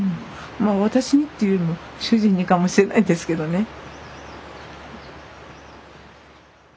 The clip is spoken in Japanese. まあ私にっていうよりも主人にかもしれないですけどね。